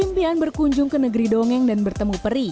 impian berkunjung ke negeri dongeng dan bertemu peri